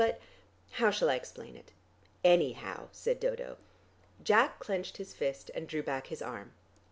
But how shall I explain it?" "Anyhow," said Dodo. Jack clenched his fist and drew back his arm.